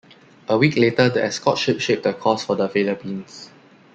A week later, the escort ship shaped a course for the Philippines.